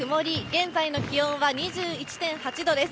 現在の気温は２１．８度です。